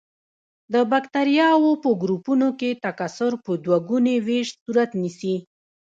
د بکټریاوو په ګروپونو کې تکثر په دوه ګوني ویش صورت نیسي.